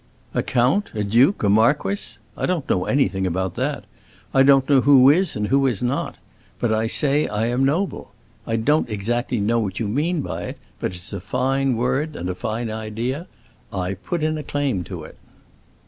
"A count, a duke, a marquis? I don't know anything about that, I don't know who is and who is not. But I say I am noble. I don't exactly know what you mean by it, but it's a fine word and a fine idea; I put in a claim to it."